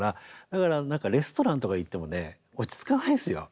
だからレストランとか行ってもね落ち着かないんですよ。